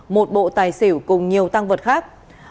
một bộ tài xỉu cùng nhiều tăng vật khác